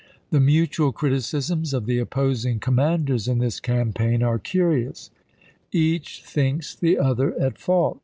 The mutual criticisms of the opposing com manders in this campaign are curious ; each thinks the other at fault.